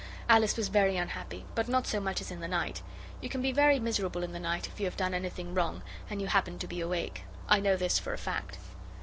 Alice was very unhappy, but not so much as in the night: you can be very miserable in the night if you have done anything wrong and you happen to be awake. I know this for a fact.